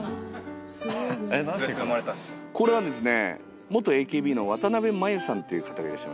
これはですね